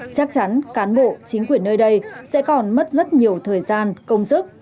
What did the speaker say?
chắc chắn cán bộ chính quyền nơi đây sẽ còn mất rất nhiều thời gian công sức